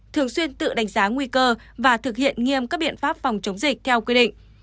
thường xuyên tự đánh giá nguy cơ và thực hiện nghiêm các biện pháp phòng chống dịch theo quy định